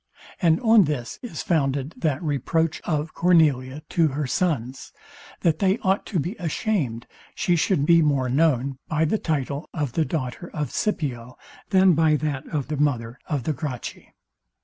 And on this is founded that reproach of Cornelia to her sons, that they ought to be ashamed she should be more known by the title of the daughter of Scipio than by that of the mother of the Gracchi.